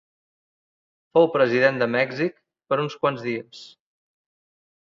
Fou president de Mèxic per uns quants dies.